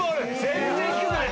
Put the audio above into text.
全然低くない。